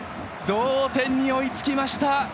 同点に追いつきました！